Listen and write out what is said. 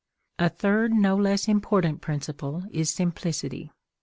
A third no less important principle is simplicity.